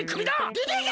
でていけ！